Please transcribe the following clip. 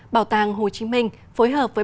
bảo tàng hồ chí minh phối hợp với